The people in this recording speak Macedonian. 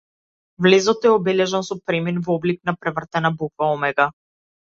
Влезот е обележан со премин во облик на превртена буква омега.